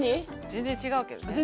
全然違うけどね。